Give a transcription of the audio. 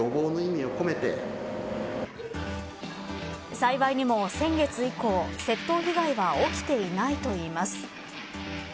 幸いにも先月以降窃盗被害は起きていないといいます。